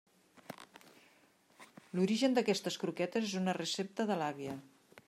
L'origen d'aquestes croquetes és una recepta de l'àvia.